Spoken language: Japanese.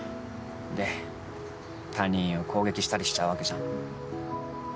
で他人を攻撃したりしちゃうわけじゃん。